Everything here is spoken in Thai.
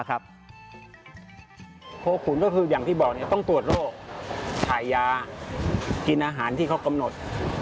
โคขุนก็คืออย่างที่บอกต้องตรวจโรคถ่ายยากินอาหารที่เขากำหนด